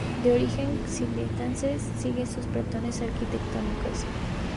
De origen cisterciense, sigue sus patrones arquitectónicos.